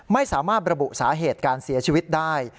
ไม่สามารถระบุสาเหตุการเสียชีวิตได้